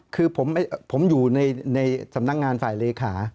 คือผมอยู่ในสำนักงานฝ่ายเลขา